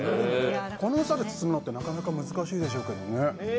この薄さにするのってなかなか難しいでしょうけどね。